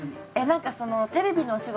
なんかテレビのお仕事